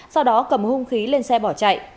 sau đó cầm hung khí lên xe bỏ chạy